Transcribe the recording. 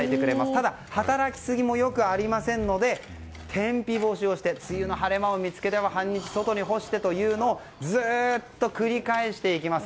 ただ働きすぎも良くないので天日干しをして梅雨の晴れ間を見つけては半日外に干してというのをずっと繰り返していきます。